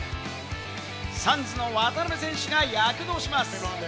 サンズの渡邊選手が躍動します。